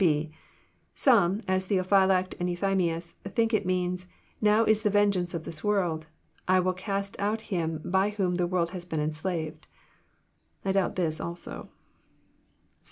(6) Some, as Theophylact and Enthymlus, think It means, Now is the vengeance of this world." —" I will cast out him by whom the world has been enslaved." — I doubt this also.